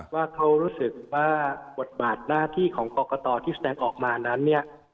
ว่าเขารู้สึกว่าบทบาทหน้าที่ของกรกตที่แสดงออกมานั้นเนี่ย